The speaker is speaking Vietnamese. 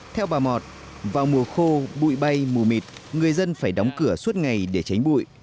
theo bà mọt vào mùa khô bụi bay mù mịt người dân phải đóng cửa suốt ngày để tránh bụi